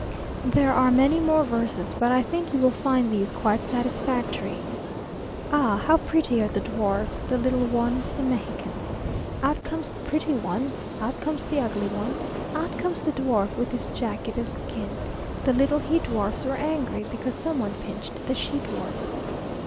There are many more verses, but I think you will find these quite satisfactory, "Ah! how pretty are the dwarfs, the little ones, the Mexicans! Out comes the pretty one, out comes the ugly one, out comes the dwarf with his jacket of skin. The little he dwarfs were angry, because some one pinched the she dwarfs."